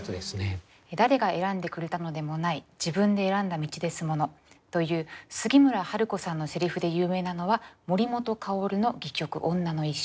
「“誰が選んでくれたのでもない自分で選んだ道ですもの”という杉村春子さんの台詞で有名なのは森本薫の戯曲『女の一生』。